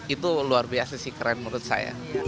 itu luar biasa sih keren menurut saya